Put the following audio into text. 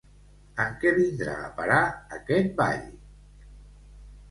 En què vindrà a parar aquest ball?